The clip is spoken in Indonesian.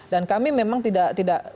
dan kami memang tidak tidak